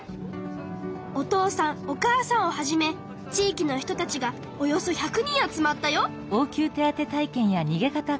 お父さんお母さんをはじめ地いきの人たちがおよそ１００人集まったよ。